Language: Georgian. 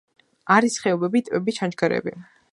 არის ხეობები, ტბები, ჩანჩქერები.